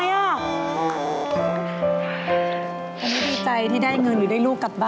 วันนี้ดีใจที่ได้เงินหรือได้ลูกกลับบ้าน